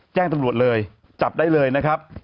แจ้งตำรวจเลยจับได้เลยนะครับ